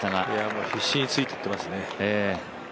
もう必死についていってますね。